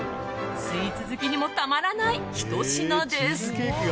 スイーツ好きにもたまらないひと品です。